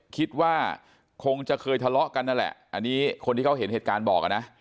คิดว่าคงจะเคยทะเลาะกันนั่นแหละอันนี้คนที่เขาเห็นเหตุการณ์บอกอ่ะนะ